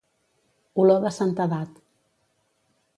Olor de santedat.